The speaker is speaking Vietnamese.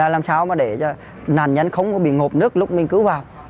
làm sao để nạn nhân không bị ngột nước lúc mình cứu vào